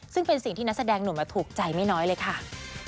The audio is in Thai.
ซึ่งเป็นสิ่งที่นักแสดงหนุ่มถูกใจไม่น้อยเลยค่ะ